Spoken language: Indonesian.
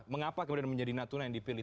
mengapa kemudian menjadi natuna yang dipilih